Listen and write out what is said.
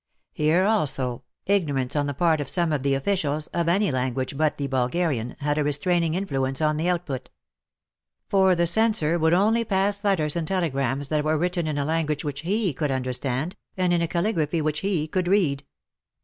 Here also, ignorance on the part of some of the officials, of any language but the Bulgarian, had a restraining influence on the output. For the censor would only pass letters and telegrams that were written in a language which he could understand, and in a caligraphy which he could read.